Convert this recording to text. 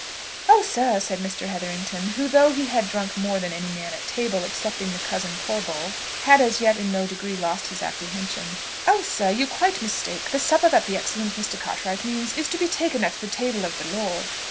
"Oh, sir!" said Mr. Hetherington, who, though he had drunk more than any man at table, excepting the cousin Corbold, had as yet in no degree lost his apprehension, "Oh, sir! you quite mistake. The supper that the excellent Mr. Cartwright means, is to be taken at the table of the Lord!"